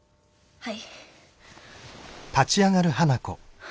はい。